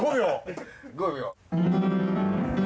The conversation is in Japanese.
５秒？